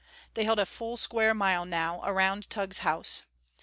They held a full square mile, now, around Tugh's house.